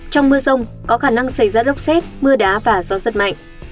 trong mưa rông có khả năng xảy ra lốc xét mưa đá và gió rất mạnh